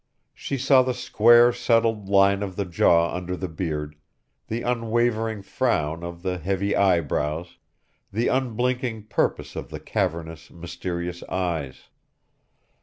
She saw the square settled line of the jaw under the beard, the unwavering frown of the heavy eyebrows, the unblinking purpose of the cavernous, mysterious eyes.